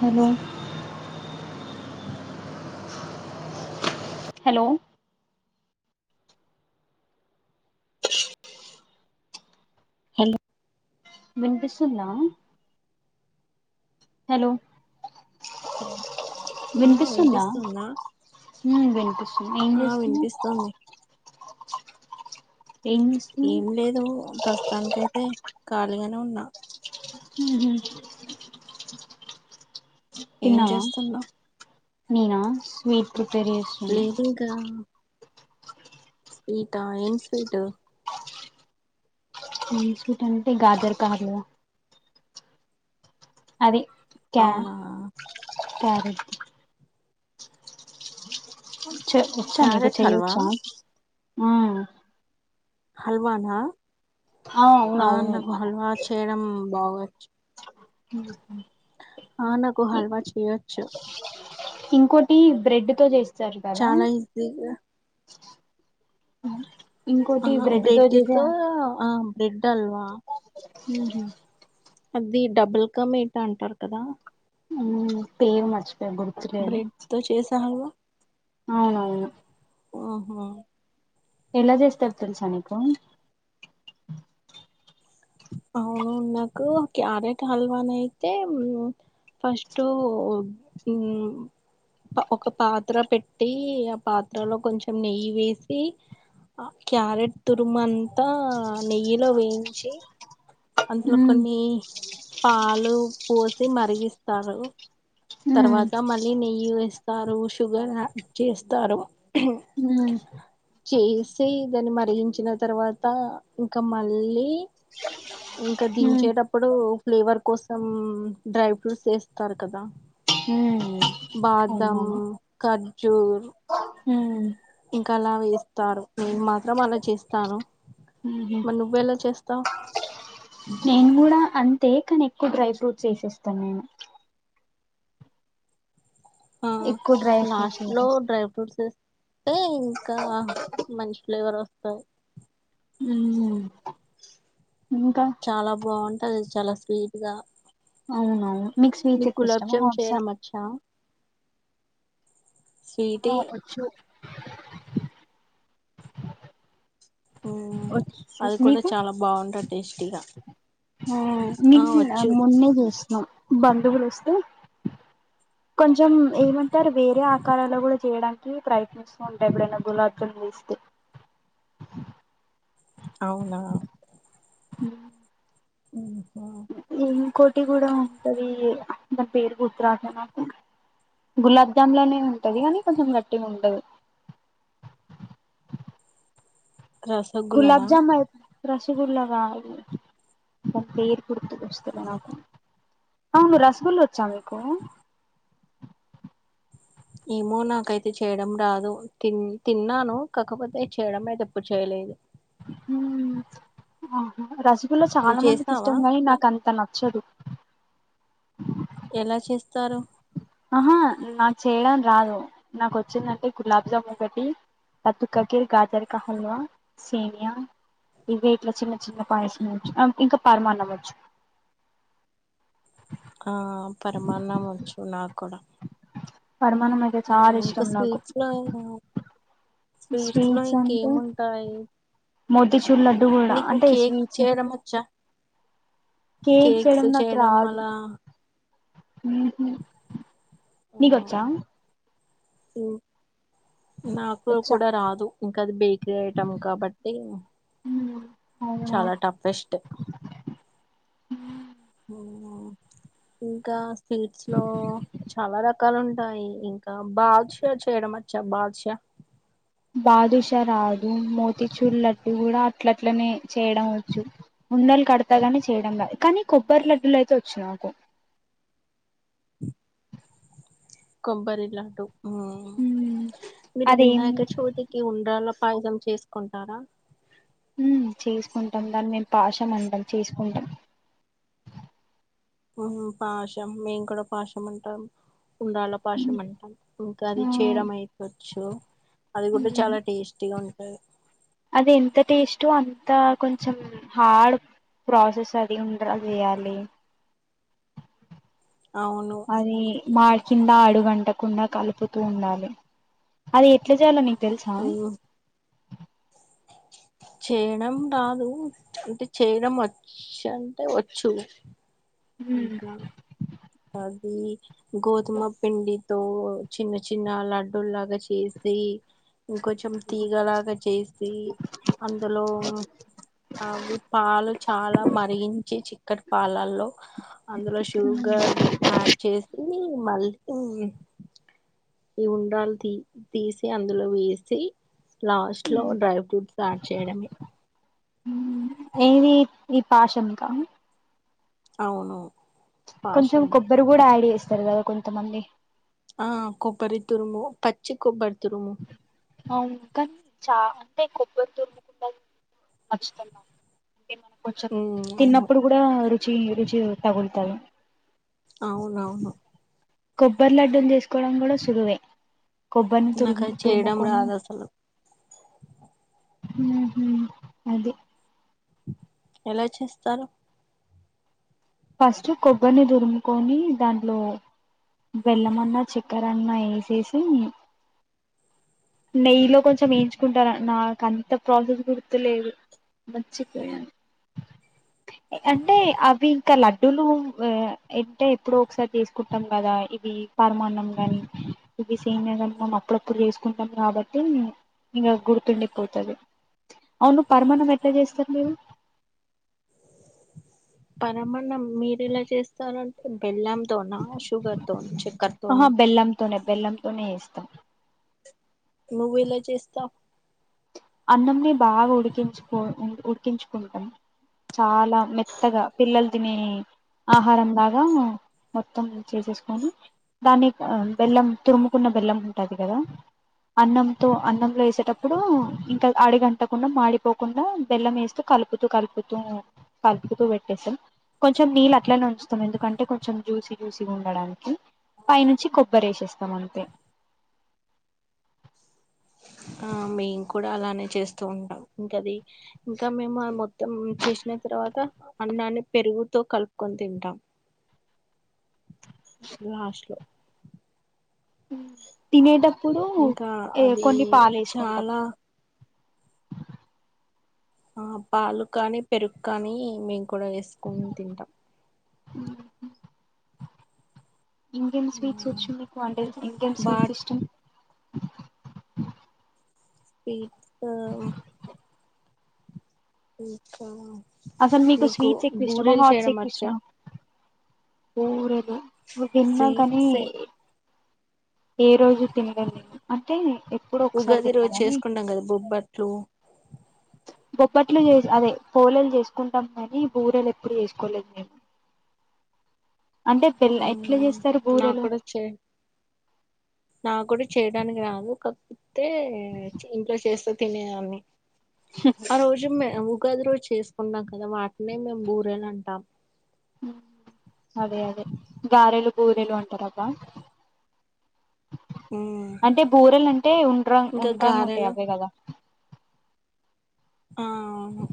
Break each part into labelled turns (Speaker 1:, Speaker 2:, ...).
Speaker 1: Hello hello
Speaker 2: hello
Speaker 1: వినిపిస్తుందా hello
Speaker 2: ఆ వినిపిస్తుందా
Speaker 1: హుమ్ వినిపిస్తుంది ఏం
Speaker 2: ఆ
Speaker 1: చేస్తున్నావ్
Speaker 2: వినిపిస్తుంది
Speaker 1: ఏం చేస్తున్నావ్
Speaker 2: ఏం లేదు ప్రస్తుతానికయితే ఖాళీగానే ఉన్నా
Speaker 1: హుమ్ హూ
Speaker 2: ఏం చేస్తున్నావ్
Speaker 1: నేనా స్వీటు
Speaker 2: లేదింకా ఇంకా ఏం స్వీటు
Speaker 1: ఏం స్వీటంటే గాదెర కార్లు అది
Speaker 2: అవునా
Speaker 1: సరే చ వచ్చా నీకు
Speaker 2: క్యారెట్ హల్వా
Speaker 1: చెయ్యొచ్చా హుమ్
Speaker 2: హల్వానా ఆ నాకు హల్వా చేయడం బాగచ్చు
Speaker 1: హుమ్
Speaker 2: ఆ నాకు హల్వా చేయొచ్చు
Speaker 1: ఇంకోటి బ్రెడ్ తో చేస్త
Speaker 2: చాలా ఈజీగా
Speaker 1: అ
Speaker 2: ఆ బ్రెడ్ తో ఆ బ్రెడ్ హాల్వా
Speaker 1: ఉహుమ్
Speaker 2: అది డబుల్ కా మీటా అంటారు కదా
Speaker 1: ఆ పేరు మర్చిపోయ గుర్తులేదు
Speaker 2: బ్రెడ్ తో చేసే హల్వా
Speaker 1: అవునవును
Speaker 2: ఓహో
Speaker 1: ఎలా చేస్తారో తెలుసా నీకు
Speaker 2: అవును నాకు క్యారెట్ హల్వా నయితే ఫస్ట్ ఒక పాత్ర పెట్టి ఆ పాత్రలో కొంచెం నెయ్యి వేసి ఆ క్యారెట్ తురుమ అంతా నెయ్యిలో వేయించి అందులో కొన్ని పాలు పోసి మరిగిస్తారు తర్వాత మళ్ళీ నెయ్యి వేస్తారు షుగర్ యాడ్ చేస్తారు
Speaker 1: ఉమ్
Speaker 2: చేసి దాన్ని మరిగించిన తర్వాత ఇంకా మళ్ళీ ఇంకా
Speaker 1: అవునండి
Speaker 2: దించేటప్పుడు ఫ్లేవర్ కోసం డ్రై ఫ్రూట్స్ వేస్తారు కదా
Speaker 1: హమ్
Speaker 2: బాదమ్ ఖాజు
Speaker 1: ఉమ్, ఉహు.
Speaker 2: ఇంకా అలా వేస్తారు నేను మాత్రం అలా చేస్తాను మరి నువ్వు ఎలా చేస్తావు
Speaker 1: నేను కూడా అంతే కానీ ఎక్కువ డ్రై ఫ్రూట్స్ వేసేస్తాను నేను
Speaker 2: ఆ
Speaker 1: ఎక్కువ డ్రై ఫ్రూట్స్
Speaker 2: లాస్ట్ లో
Speaker 1: వేసేస్
Speaker 2: డ్రై ఫ్రూట్స్ అంటే ఇంకా మంచి ఫ్లేవర్ వస్తాయి
Speaker 1: ఉమ్
Speaker 2: చాలా బాగుంటది చాలా స్వీట్ గా
Speaker 1: అవునవును మీకు స్వీట్స్
Speaker 2: నీకు
Speaker 1: ఎక్కువ
Speaker 2: గులాబ్
Speaker 1: ఇష్టమా
Speaker 2: జామ్
Speaker 1: హాట్సా
Speaker 2: చేయడం వచ్చు
Speaker 1: ఆ
Speaker 2: స్వీటీ
Speaker 1: వచ్చు
Speaker 2: ఓ
Speaker 1: వచ్చు
Speaker 2: అది కూడా చాలా బాగుంటది టేస్టీగా
Speaker 1: ఆ
Speaker 2: ఆ
Speaker 1: నిన్న
Speaker 2: వచ్చు
Speaker 1: కాదు మొన్న చేసుకున్నాం బంధువులు వస్తే కొంచెం ఏమంటారు వేరే ఆకారాలు కూడా చేయడానికి ప్రయత్నిస్తూ ఉంటా ఎప్పుడైనా గులాబ్ జామ్ చేస్తే
Speaker 2: అవునా
Speaker 1: హమ్
Speaker 2: ఉహుమ్
Speaker 1: ఇ ఇంకోటి కూడా ఉంటంది దాని పేరు గుర్తు రాటల నాకు గులాబ్ జామ్ లానే ఉంటది కానీ కొంచెం గట్టిగా ఉంటది గులాబ్
Speaker 2: రసగుల్లనా
Speaker 1: జామ్ అయి రసగుల్లా కాదు దాని పేరు గుర్తుకు వస్తాలే నాకు అవును రసగుల్లా వచ్చా మీకు
Speaker 2: ఏమో నాకైతే చేయడం రాదు తి తిన్నాను కాకపోతే చేయడం అయితే ఎప్పుడు చేయలేదు
Speaker 1: ఉమ్ ఆహా రాస ఇలో
Speaker 2: నువ్వు
Speaker 1: చాలా మందికి
Speaker 2: చేసావా
Speaker 1: ఇష్టం కాని నాకు అంత నచ్చదు
Speaker 2: ఎలా చేస్తారు
Speaker 1: ఆహా నాకు చేయడం రాదు నాకు వచ్చిందంటే గులాబ్ జాము ఒకటి పతుకాకి కాజల్ కా హల్వా సేమీయా ఇవే ఇట్లా చిన్న చిన్న పాయసం వచ్చు ఇంకా పరమాన్నం వచ్చు
Speaker 2: ఆ పరమాన్నం వచ్చు నాకు కూడా
Speaker 1: పరమాన్నం అయితే చాలా
Speaker 2: ఇంకా
Speaker 1: ఇష్టం నాకు
Speaker 2: స్వీట్స్ లో స్వీట్స్ లో ఇంకేముంటాయి
Speaker 1: మోతిచూర్ లడ్డు కూడా
Speaker 2: నీకు
Speaker 1: అంటే
Speaker 2: కేక్
Speaker 1: స్వీట్స్
Speaker 2: చేయడం వచ్చా
Speaker 1: కేక్
Speaker 2: కేక్స్
Speaker 1: నాకు
Speaker 2: చేయడం
Speaker 1: రాదు
Speaker 2: అలా
Speaker 1: ఉహు నీకు వచ్చా
Speaker 2: ఉ నాకు
Speaker 1: వచ్చా
Speaker 2: కూడా రాదు ఇంకా అది బేకరీ ఐటెమ్ కాబట్టి
Speaker 1: అవునా
Speaker 2: చాలా టఫెస్ట్
Speaker 1: ఉ
Speaker 2: ఊ ఇంకా స్వీట్స్ లో చాలా రకాలు ఉంటాయి ఇంకా బాదుషా చేయడం వచ్ వచ్చా బాదుషా
Speaker 1: [inaudible] బాదుషా రాదు మోతిచూర్ లడ్డు కూడా అట్లట్లనే చేయడం వచ్చు ఉండలు కడతా గాని చేయడం కానీ కొబ్బరి లడ్డలు అయితే వచ్చు నాకు [inaudible]
Speaker 2: కొబ్బరి లాడ్డు ఉ
Speaker 1: ఉమ్
Speaker 2: మీరు
Speaker 1: అదేం
Speaker 2: వినాయక చవితికి ఉండ్రాళ్ళ పాయసం చేసుకుంటారా
Speaker 1: ఉ చేసుకుంటాం దాన్ని మేము పాషం అంటాం చేసుకుంటాం
Speaker 2: ఆ పాషం మేం కూడా పాషం అంటాం ఉండ్రాళ్ళ పాశం అంటాం ఇంకా
Speaker 1: ఆ
Speaker 2: అది చేయడం అయిపోవచ్చు అది కూడా చాలా టేస్టీగా ఉంటది
Speaker 1: అది ఎంత టెస్టో అంత కొంచెం హార్డ్ ప్రాసెస్ అది ఉండ్రాళ్ళు చేయాలి
Speaker 2: అవును
Speaker 1: ఆది మా కింద ఆడు వంటకుండా కలుపుతూ ఉండాలి అది ఎట్లా చేయలో నీకు తెలుసా
Speaker 2: ఉమ్, చేయడం రాదు అంటే చేయడం వచ్చ అంటే వచ్చు ఇంకా అది గోధుమ పిండితో చిన్న చిన్న లడ్డూలాగా చేసి ఇంకొంచెం తీగలాగా చేసి అందులో అవి పాలు చాలా మరిగించి చిక్ ఇక్కడి పాలాల్లో అందులో షుగర్ యాడ్ చేసి మళ్ళీ ఈ ఉండ్రాళ్ళు తీ తీసి అందులో వేసి లాస్ట్ లో డ్రై ఫ్రూట్స్ యాడ్ చేయడమే
Speaker 1: ఏది ఈ పాషం కా
Speaker 2: అవును
Speaker 1: కొంచెం
Speaker 2: పాషంలో
Speaker 1: కొబ్బరి కూడా యాడ్ చేస్తారు కదా కొంతమంది
Speaker 2: ఆ కొబ్బరి తురుము పచ్చి కొబ్బరి తురుము
Speaker 1: అవును కానీ చాల అంటే కొబ్బరి తురుముకుండ [inaudible] నచ్చుతది నాకు. అంటే మనకు కొంచెం
Speaker 2: ఉమ్ అవును
Speaker 1: తిన్నప్పుడు గూడా రుచీ రుచి తగులుతది.
Speaker 2: అవునవును
Speaker 1: కొబ్బరి లడ్డల్ చేసుకోవడం కూడా సులువే. కొబ్బర్ని తురు
Speaker 2: నాకు అది చేయడం
Speaker 1: తురుముకొనీ.
Speaker 2: రాదు అసలు
Speaker 1: ఊహు అదే
Speaker 2: ఎలా చేస్తారు
Speaker 1: ఫస్టు కొబ్బర్నీ దురుముకొనీ దాంట్లో. బెల్లమన్నా చెక్కరన్నా ఏశేశీ. నెయ్యిలో కొంచెం ఏయించుకుంటా నాకంత ప్రాసెస్ గుర్తులేదు. మచ్చపోయాను అంటే అవ్వి. కా లడ్డూలూ ఆ అంటే ఎప్పుడో ఒక్సారి తీసుకుంటాం గదా ఇదీ పరమాన్నం గానీ. ఇవి సేమ్యా గాని మనం అప్పుడప్పుడు చేసుకుంటాం కాబట్టీ. ఇగా గుర్తుండిపోతది. అవును పరమన్నం ఎట్ల చేస్తరు మీరు. అ
Speaker 2: పరమన్నం మీరెలా చేస్తారంటే బెల్లం తోనా శుగర్తో చెక్కర్తో నా
Speaker 1: తోనే చేస్తాం
Speaker 2: నువ్వెలా చేస్తావ్
Speaker 1: అన్నంని బాగా ఉడికించుకో ఉడికించుకుంటం చాలా. లా మెత్తగా పిల్లల్ తినే ఆహారంలాగా మొత్తం చేసేసుకోని దాన్ని బెల్లం ఆ తురుముకు కున్న బెల్లం ఉంటది గదా అన్నంతో అన్నంలో ఏశేటప్పుడూ. ఇంక అడగంటకుండా మాడిపోకుండా బెల్లం ఏస్తూ కలుపుతూ కలుపుతూ కలుపుతూ పెట్టేస్తం కొంచెం నీళ్ళు అట్లనే ఉంచుతం ఎందుకంటే కొంచెం జూసి జూసిగా ఉండడానికి. పైనుంచి కొబ్బరేశేస్తాం అంతే.
Speaker 2: ఆ మేము కూడా అలానే చేస్తూ ఉంటాం ఇంకది ఇంకా మేము మొత్తం చేశిన. తర్వాతా అన్నాన్ని పెరుగుతో కలుపుకొని తింటాం. లాస్ట్ లో
Speaker 1: ఊ తినేటప్పుడూ
Speaker 2: ఇంకా
Speaker 1: ఏ
Speaker 2: అది
Speaker 1: కొన్ని పాలు ఏసుకుంటం.
Speaker 2: చాలా ఆ పాలు కాని పెరుగు కానీ మేము కూడా ఏసుకొన్ తింటాం.
Speaker 1: ఊహు ఇంకేం స్వీట్స్ వచ్చు మీకు అంటే ఇంకేం స్వీట్స్
Speaker 2: బాట్
Speaker 1: ఇష్టమ్.
Speaker 2: స్వీట్సూ ఇంకా
Speaker 1: అసలు మీకు
Speaker 2: నీకు
Speaker 1: స్వీట్స్ ఎక్కువ ఇష్టమా
Speaker 2: బూరెలు
Speaker 1: హాట్స్
Speaker 2: చేయడం
Speaker 1: ఎక్కువ
Speaker 2: వచ్చా.
Speaker 1: ఇష్టమా బూరెలు ఇవి విన్నాం కానీ.
Speaker 2: స్వీట్స్
Speaker 1: ఏ రోజు తినలేన్ నేను అంటే ఎప్పుడో ఒకసారి
Speaker 2: ఉగాది
Speaker 1: తిన్నా
Speaker 2: రోజు
Speaker 1: కాని
Speaker 2: చేసుకుంటాం గదా బొబ్బట్లూ.
Speaker 1: బొబ్బట్లు చేస్ అదే పోలెల్ల్ చేసుకుంటాం కానీ బూరెలు ఎప్పుడు చేసుకోలేదు మేము. అంటే పెల్ల్ ఎట్ల
Speaker 2: మ్మ్
Speaker 1: చేస్తరు
Speaker 2: నాకు
Speaker 1: బూరెలు.
Speaker 2: కూడా చే నాకు కూడా చేయడానికి రాదు కాకపోతే ఇంట్లో చేస్తే తినేదాన్ని. ఆ రోజు మే ఉప్ గది రోజ్ చేసుకున్నా కదా వాటినే మేం బూరేలంటాం
Speaker 1: హుమ్మ్ అదే అదే గారెలు బూరెలు అంటారబ్బా
Speaker 2: మ్మ్
Speaker 1: అంటే బూరెలంటే ఉండ్రాంగ్
Speaker 2: ఇంకా
Speaker 1: ఉండ్రాంగ్ ఉంటాయి
Speaker 2: గారెలు
Speaker 1: అవే కదా
Speaker 2: ఆ అవును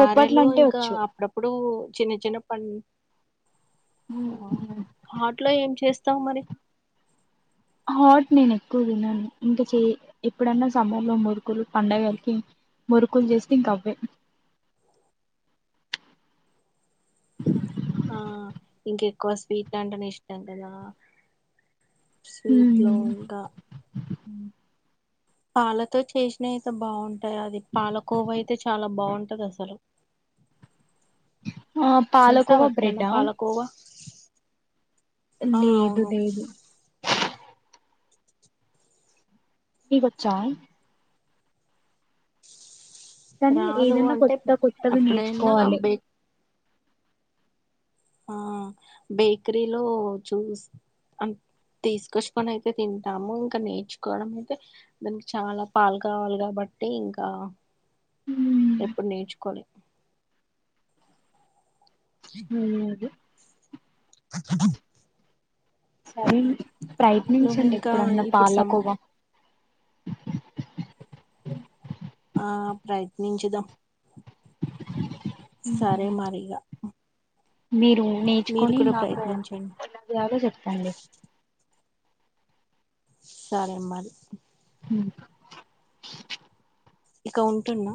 Speaker 1: బొబ్బట్లు అంటే
Speaker 2: ఇంకా
Speaker 1: వచ్చు
Speaker 2: అప్పుడప్పుడు చిన్న చిన్నప్పన్ ఆ హాట్లో ఏం చేస్ తావ్ మరి
Speaker 1: హాట్ నేన్ ఎక్కువ తన్నాను ఇంకా చే ఎప్పుడన్నా సమ్మర్ లో మురుగులు పండగల్కి మురుకుల్ చేస్తే ఇంకవ్వే
Speaker 2: ఆ ఇంకెక్కువ స్వీట్ అంటనే ఇష్టం కదా
Speaker 1: హ్మ్
Speaker 2: స్వీట్లోంగ మ్ పాలతో చేసినయ్తే బాగుంటాయి అది పాలకోవ అయితే చాలా బాగుంటది అసలు
Speaker 1: ఆ పాలకోవ
Speaker 2: చేసావా ఎప్పుడన్నా
Speaker 1: బ్రెడ్డా
Speaker 2: పాలకోవా ఆ
Speaker 1: లేదు
Speaker 2: అవును
Speaker 1: లేదు నికోచ్చా కని
Speaker 2: రాదు
Speaker 1: ఏదన్నా
Speaker 2: అంటే
Speaker 1: కొత్త కొత్తగా
Speaker 2: ఎప్పుడైనా
Speaker 1: నేర్చుకోవాలి
Speaker 2: బే ఆ బేకరీలో చుస్ అన్ తీసుకొచ్చుకొని అయితే తింటాము ఇంకా నేర్చుకోవడం అయితే దానికి చాలా పాల్ కావల్కబట్ బట్టి ఇంకా ఎప్పుడు నేర్చుకోలే
Speaker 1: హ్మ్ అదే సరేం
Speaker 2: నువ్వు
Speaker 1: ప్రయత్నించండి
Speaker 2: ఇంకా
Speaker 1: ఎప్పుడన్నా
Speaker 2: ఇప్పుడు సం
Speaker 1: పాలకోవ
Speaker 2: ఆ ప్రయత్నించుదాం సరే మరిగ
Speaker 1: మీరు నేర్చుకోని
Speaker 2: కూడా
Speaker 1: నాకు
Speaker 2: ప్రయత్నించండి
Speaker 1: ఎలాచేయాలో చెప్పండి
Speaker 2: సరే మరి
Speaker 1: హ్మ్
Speaker 2: ఇక ఉంటున్న